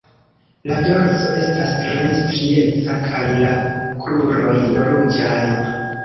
La dorso estas tre strieca kaj la kruroj ruĝaj.